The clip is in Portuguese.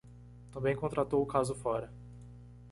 Também contratou o caso fora